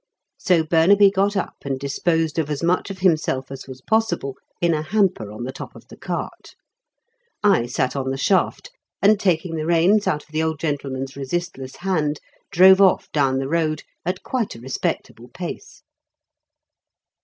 So Burnaby got up and disposed of as much of himself as was possible in a hamper on the top of the cart. I sat on the shaft, and taking the reins out of the old gentleman's resistless hand, drove off down the road at quite a respectable pace.